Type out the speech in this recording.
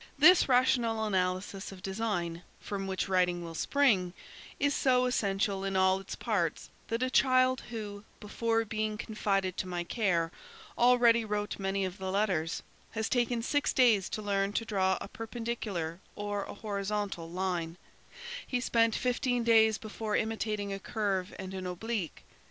"This rational analysis of design, from which writing will spring, is so essential in all its parts, that a child who, before being confided to my care, already wrote many of the letters, has taken six days to learn to draw a perpendicular or a horizontal line; he spent fifteen days before imitating a curve and an oblique.